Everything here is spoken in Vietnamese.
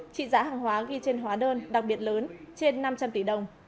trị giá hàng hóa ghi trên hóa đơn đặc biệt lớn trên năm trăm linh tỷ đồng